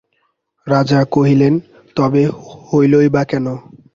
রাজা কহিলেন, তবে হইল না কেন?